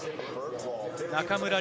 中村輪